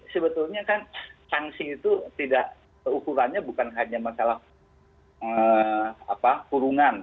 sebetulnya kan sanksi itu tidak ukurannya bukan hanya masalah kurungan